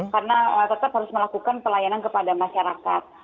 karena tetap harus melakukan pelayanan kepada masyarakat